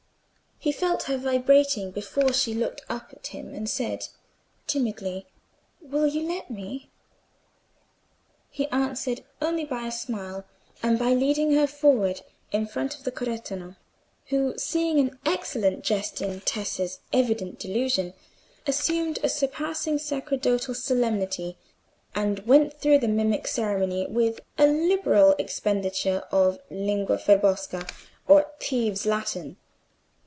He felt her vibrating before she looked up at him and said, timidly, "Will you let me?" He answered only by a smile, and by leading her forward in front of the cerretano, who, seeing an excellent jest in Tessa's evident delusion, assumed a surpassing sacerdotal solemnity, and went through the mimic ceremony with a liberal expenditure of lingua furbesca or thieves' Latin.